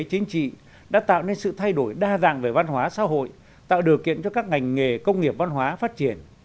chính trị đã tạo nên sự thay đổi đa dạng về văn hóa xã hội tạo điều kiện cho các ngành nghề công nghiệp văn hóa phát triển